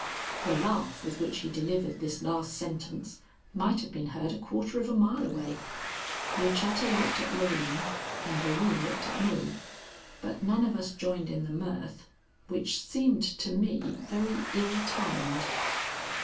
The laugh with which he delivered this last sentence might have been heard a quarter of a mile away. Lucetta looked at Loreen and Loreen looked at me, but none of us joined in the mirth, which seemed to me very ill timed.